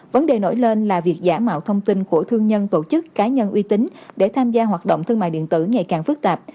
vấn đề nổi lên là việc giả mạo thông tin của thương nhân tổ chức cá nhân uy tín để tham gia hoạt động thương mại điện tử ngày càng phức tạp